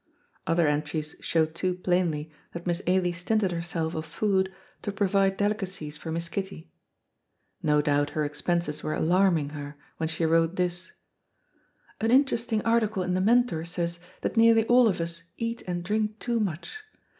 Other entries showed too plainly that Miss Ailie stinted herself of food to provide delicacies for Miss Kitty. No doubt her expenses were alarming her when she wrote this: "An interesting article in the Mentor says that nearly all of us eat and drink too much.